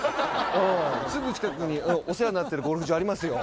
すぐ近くに、お世話になってるゴルフ場ありますよ。